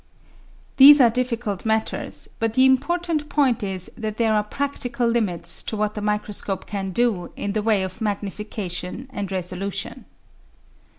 These are difficult matters, but the important point is that there are practical limits to what the microscope can do in the way of magnification and ''resolution."